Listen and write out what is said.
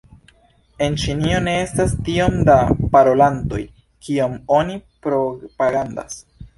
En Ĉinio ne estas tiom da parolantoj, kiom oni propagandas.